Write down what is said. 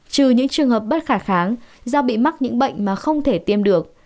trừ những trường hợp bất khả kháng do bị mắc những bệnh mà không thể tiêm được